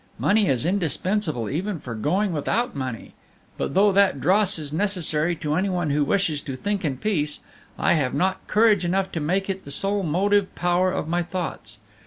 Money is indispensable, even for going without money. But though that dross is necessary to any one who wishes to think in peace, I have not courage enough to make it the sole motive power of my thoughts.